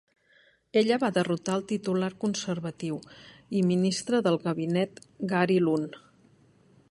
Ella va derrotar el titular Conservatiu i ministre del gabinet Gary Lunn.